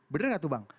bener nggak tuh bang